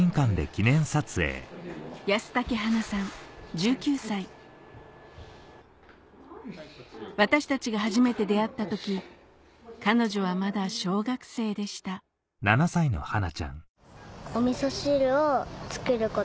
１９歳私たちが初めて出会った時彼女はまだ小学生でしたおみそ汁を作ること。